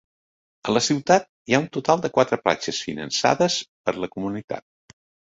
A la ciutat hi ha un total de quatre platges finançades per la comunitat.